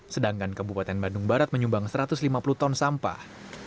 sedangkan kabupaten bandung barat menyumbang satu ratus lima puluh ton sampah